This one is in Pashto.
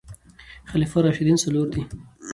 خلفاء راشدين څلور دي